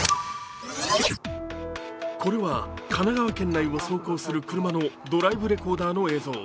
これは神奈川県内を走行する車のドライブレコーダーの映像。